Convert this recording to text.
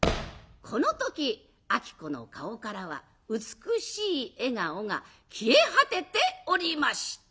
この時子の顔からは美しい笑顔が消え果てておりました。